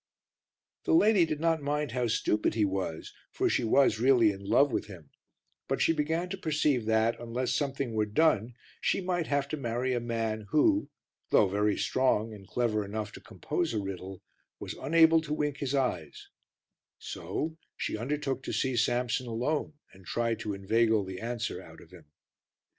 The lady did not mind how stupid he was, for she was really in love with him; but she began to perceive that, unless something were done, she might have to marry a man who, though very strong and clever enough to compose a riddle, was unable to wink his eyes, so she undertook to see Samson alone and try to inveigle the answer out of him.